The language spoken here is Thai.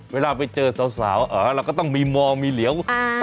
เวลาไปเจอสาวเราก็ต้องมีมองมีเหลียว